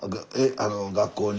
学校に。